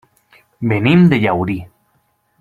Venim de Llaurí.